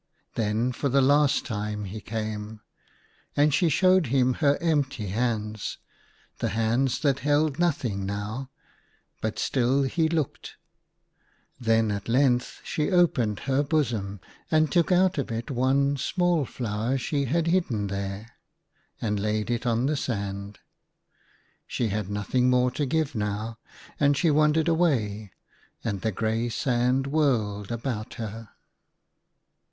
Then for the last time he came. And she showed him her empty hands, the hands that held nothing now. But still he looked. THE GARDENS OF PLEASURE. 55 Then at length she opened her bosom and took out of it one small flower she had hidden there, and laid it on the sand. She had nothing more to give now, and she wandered away, and the grey sand whirled about her.